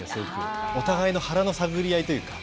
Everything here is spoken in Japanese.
お互いの腹の探り合いというか。